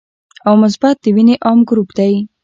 او مثبت د وینې عام ګروپ دی